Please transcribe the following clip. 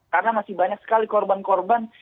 karena masih banyak sekali korban korban